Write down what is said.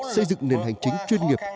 xây dựng nền hành chính chuyên nghiệp